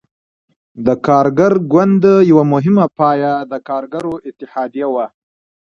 د کارګر ګوند یوه مهمه پایه د کارګرو اتحادیه وه.